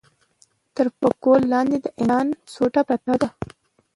تر پکول لاندې د انسان سوټه پرته ده.